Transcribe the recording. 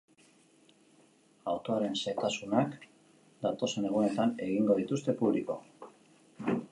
Autoaren xehetasunak datozen egunetan egingo dituzte publiko.